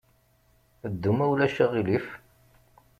Ddu, ma ulac aɣilif.